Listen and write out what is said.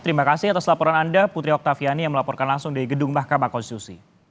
terima kasih atas laporan anda putri oktaviani yang melaporkan langsung dari gedung mahkamah konstitusi